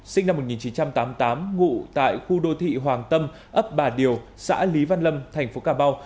sinh năm một nghìn chín trăm tám mươi tám ngụ tại khu đô thị hoàng tâm ấp bà điều xã lý văn lâm thành phố cà mau